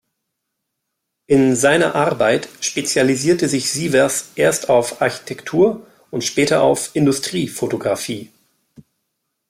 In seiner Arbeit spezialisierte sich Sievers erst auf Architektur- und später auf Industriefotografie.